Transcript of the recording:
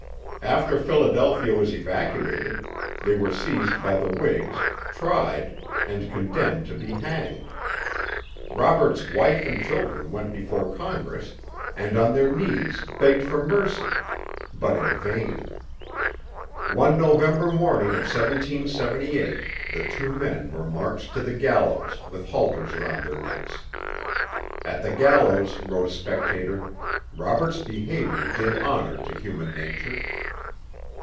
After Philadelphia was evacuated, they were seized by the Whigs, tried, and condemned to be hanged. Roberts's wife and children went before Congress and on their knees begged for mercy; but in vain. One November morning of 1778 the two men were marched to the gallows, with halters round their necks. At the gallows, wrote a spectator, Roberts's behaviour 'did honour to human nature.'